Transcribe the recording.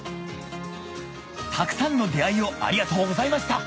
たくさんの出会いをありがとうございました